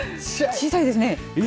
小さいですね。